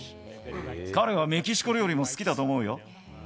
彼はメキシコ料理も好きだと思う